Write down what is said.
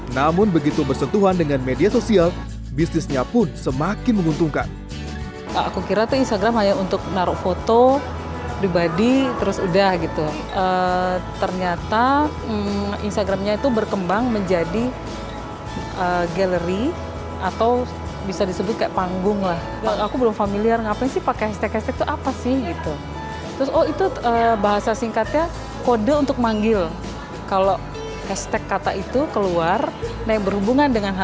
namun begitu bersentuhan dengan media sosial bisnisnya pun semakin menguntungkan